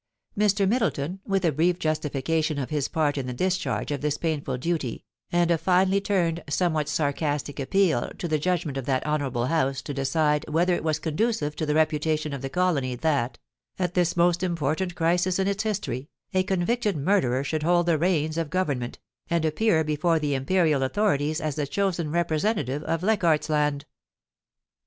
4o8 POLICY AND PASSION. Mr. Middleton, with a brief justification of his part in the discharge of this painful duty, and a finely turned, somewhat sarcastic appeal to the judgment of that honourable House to decide whether it was conducive to the reputation of the colony that, at this most important crisis in its history, a convicted murderer should hold the reins of government, and appear before the Imperial authorities as the chosen re presentative of Leichardt's Land.